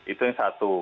itu yang satu